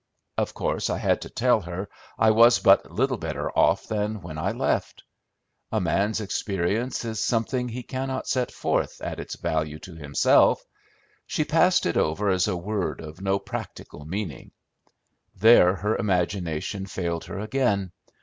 Of course I had to tell her I was but little better off than when I left. A man's experience is something he cannot set forth at its value to himself; she passed it over as a word of no practical meaning. There her imagination failed her again.